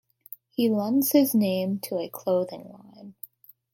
He lends his name to a clothing line.